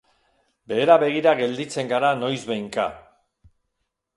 Behera begira gelditzen gara noizbehinka.